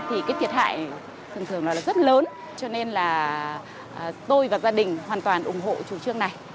hại thường thường là rất lớn cho nên là tôi và gia đình hoàn toàn ủng hộ chủ trương này